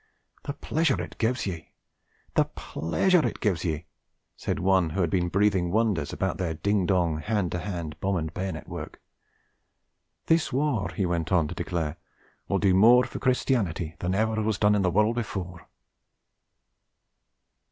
'The pleasure it gives ye! The pleasure it gives ye!' said one who had been breathing wonders about their ding dong, hand to hand bomb and bayonet work. 'This warr,' he went on to declare, 'will do more for Christianity than ever was done in the wurruld before.'